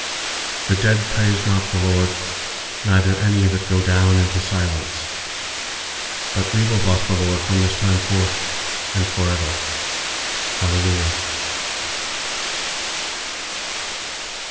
17The dead praise not the LORD, Neither any that go down intc silence; 18But we will bless the LORD From this time forth and for ever. Hallelujah.